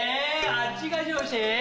あっちが上司？